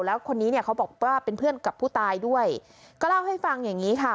แล้วคนนี้เนี่ยเขาบอกว่าเป็นเพื่อนกับผู้ตายด้วยก็เล่าให้ฟังอย่างงี้ค่ะ